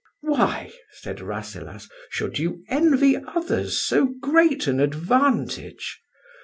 "Why," said Rasselas, "should you envy others so great an advantage?